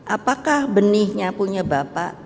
apakah benihnya punya bapak